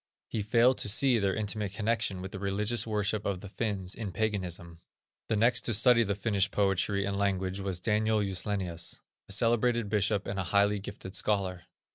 He failed to see their intimate connection with the religious worship of the Finns in paganism. The next to study the Finnish poetry and language was Daniel Juslenius, a celebrated bishop, and a highly gifted scholar.